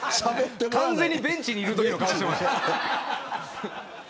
完全にベンチにいるときの顔をしていましたよ。